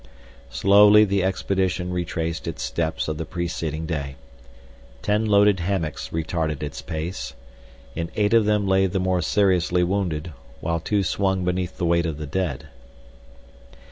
Slowly the expedition retraced its steps of the preceding day. Ten loaded hammocks retarded its pace. In eight of them lay the more seriously wounded, while two swung beneath the weight of the dead.